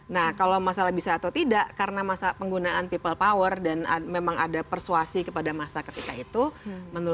nah kalau masalah bisa atau tidak karena masa penggunaan people power dan memang ada persuasi kepada masa ketika itu